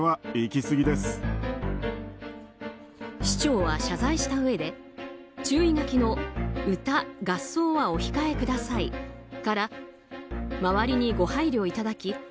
市長は謝罪したうえで注意書きの歌、合奏はお控えくださいから周りにご配慮いただき